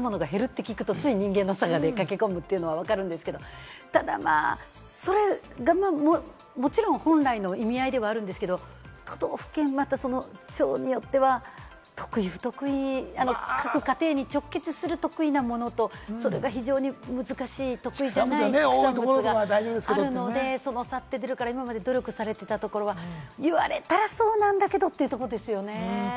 多かったものが減ると聞くと、つい人間のサガで駆け込むというのはわかるんですけれども、ただそれがもちろん本来の意味合いではあるんですけれども、都道府県、またその町によっては得意・不得意、各家庭に直結する得意なものと、それが非常に難しい、得意じゃない畜産物があるので、その差って出るから今まで努力されてたところは言われたらそうなんだけれどもというとこですよね。